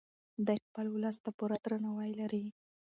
دی خپل ولس ته پوره درناوی لري.